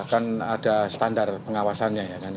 kan ada standar pengawasannya ya kan